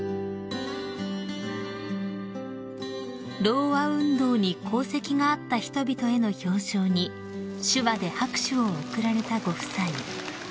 ［ろうあ運動に功績があった人々への表彰に手話で拍手を送られたご夫妻］